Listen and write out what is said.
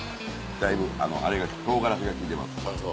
だいぶあれ唐辛子が利いてます。